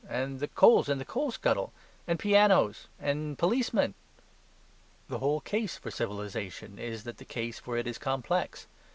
. and the coals in the coal scuttle ... and pianos ... and policemen." The whole case for civilization is that the case for it is complex.